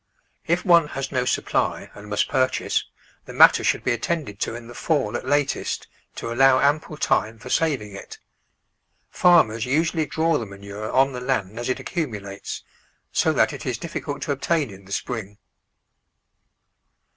If one has no supply and must purchase, the matter should be attended to in the fall Digitized by Google Three] ftttiXtlStX* *5 at latest, to allow ample time for saving it. Farmers usually draw the manure on the land as it accumulates, so that it is difficult to obtain in the spring.